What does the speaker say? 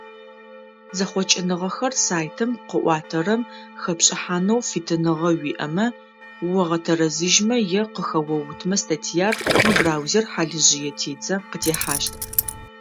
Зэхъокӏыныгъэхэр сайтым къыӏуатэрэм хэпшӏыхьанэу фитыныгъэ уиӏэмэ, огъэтэрэзыжьмэ е къыхэоутымэ статьяр, уибраузер хьалыжъые тедзэ къытехьащт.